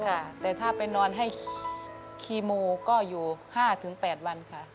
ค่ะแต่ถ้าไปนอนให้คีโมก็อยู่๕๘วันค่ะ